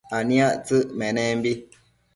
aniactsëc menembi